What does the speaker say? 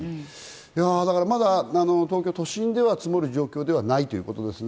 まだ東京都心では積もる状況ではないということですね。